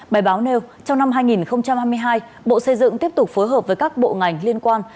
bài báo nêu trong năm hai nghìn hai mươi hai bộ xây dựng tiếp tục phối hợp với các bộ ngành liên quan